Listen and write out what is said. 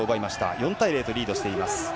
４対０とリードしています。